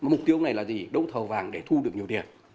mục tiêu này là gì đấu thầu vàng để thu được nhiều tiền